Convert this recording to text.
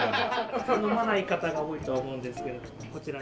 普通飲まない方が多いとは思うんですけれどこちらで。